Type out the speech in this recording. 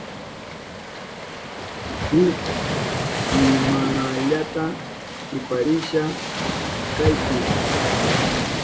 Shuk simanallata kiparisha kaypi.